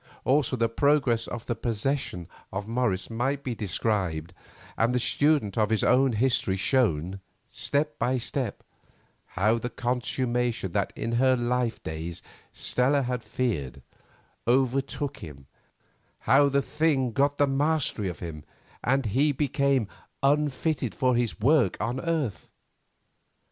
Also the progress of the possession of Morris might be described and the student of his history shown, step by step, how the consummation that in her life days Stella had feared, overtook him; how "the thing got the mastery of him," and he became "unfitted for his work on earth!"